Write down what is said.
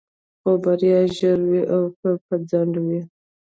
خو بريا ژر وي او که په ځنډ وي.